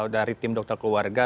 dari tim dokter keluarga